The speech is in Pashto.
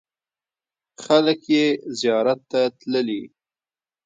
خلک یې زیارت ته تللي.